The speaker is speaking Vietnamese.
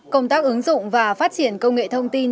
công tác ứng dụng và phát triển công nghệ thông tin